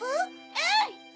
うん！